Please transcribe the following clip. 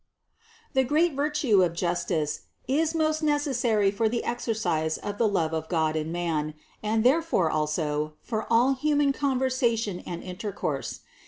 The great virtue of justice is most necessary for the exercise of the love of God and man, and therefore also for all human conversation and intercourse.